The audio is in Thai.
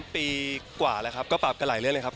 ปีกว่าแล้วครับก็ปรับกันหลายเรื่องเลยครับ